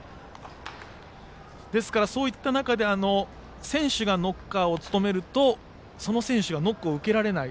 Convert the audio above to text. ですからそういった中で選手がノッカーを務めると選手がノックを受けられない。